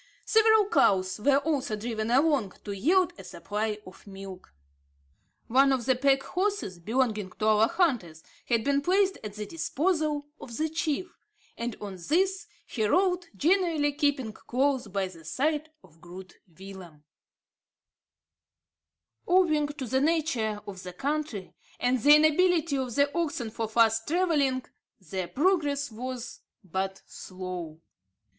Several cows were also driven along to yield a supply of milk. One of the pack horses belonging to our hunters had been placed at the disposal of the chief; and on this he rode, generally keeping close by the side of Groot Willem. Owing to the nature of the country, and the inability of the oxen for fast travelling, their progress was but slow.